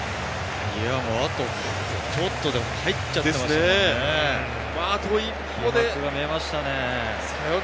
あとちょっとで入っちゃってましたよね。